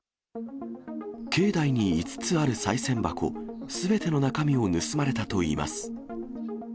境内に５つあるさい銭箱すべての中身を盗まれたといいます。